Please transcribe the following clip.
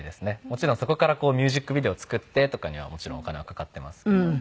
もちろんそこからミュージックビデオを作ってとかにはもちろんお金はかかってますけど。